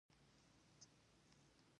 دوی په معیارونو کې پوښتنې پیدا کوي.